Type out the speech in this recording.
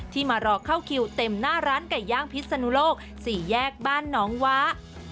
มารอเข้าคิวเต็มหน้าร้านไก่ย่างพิษนุโลก๔แยกบ้านน้องว้า